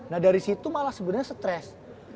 nah dari situ malah sebenarnya stres